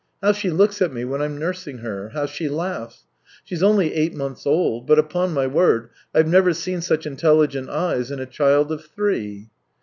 How she looks at me when I'm nursing her ! How she laughs ! She's only eight months old. but, upon my word, I've never seen such intelligent eyes in a child of three."